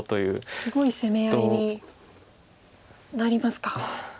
すごい攻め合いになりますか。